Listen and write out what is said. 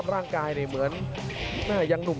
ส่วนหน้านั้นอยู่ที่เลด้านะครับ